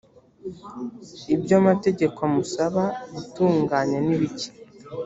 ibyo amategeko amusaba gutunganya nibike